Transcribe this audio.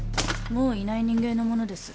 もういない人間の物です。